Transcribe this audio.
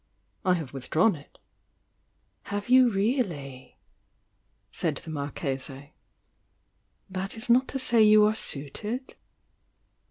"I have withdrawn it." . "Have you really?" said the Marchese. "That is not to say you are suited?"